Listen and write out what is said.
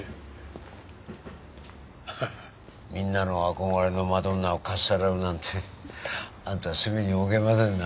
みんなの憧れのマドンナをかっさらうなんてあなた隅に置けませんな。